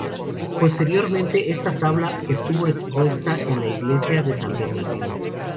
Posteriormente, esta tabla estuvo expuesta en la iglesia de San Bernardino.